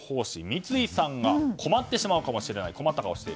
三井さんが困ってしまうかもしれない。